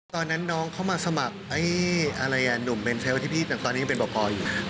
ตอนนั้นน้องเขามาสมัครนุ่มเมนเชลท์ที่พี่มีตัวเป็นบ่ปอยอยู่